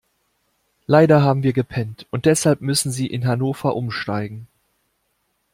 Leider haben wir gepennt und deshalb müssen Sie in Hannover umsteigen.